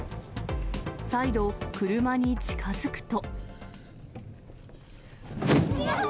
再度、車に近づくと。